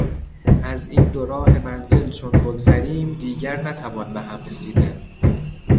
از این دو راه منزل چون بگذریم دیگر نتوان به هم رسیدن